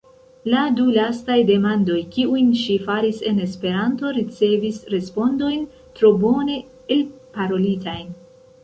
La du lastaj demandoj, kiujn ŝi faris en Esperanto, ricevis respondojn tro bone elparolitajn.